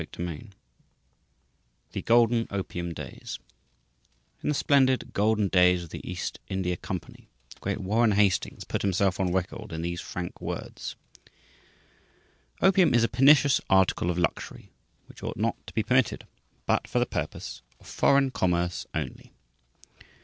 II THE GOLDEN OPIUM DAYS In the splendid, golden days of the East India Company, the great Warren Hastings put himself on record in these frank words: "Opium is a pernicious article of luxury, which ought not to be permitted but for the purpose of foreign commerce only."